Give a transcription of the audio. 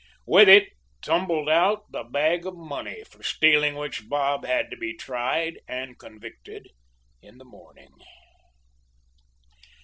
With it tumbled out the bag of money for stealing which Bob was to be tried and convicted in the morning.